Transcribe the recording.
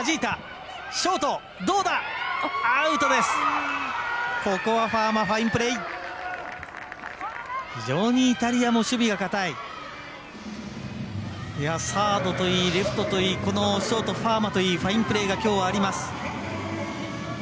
サードといいレフトといいショート、ファーマといいファインプレーがきょうはあります。